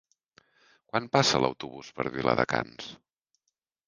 Quan passa l'autobús per Viladecans?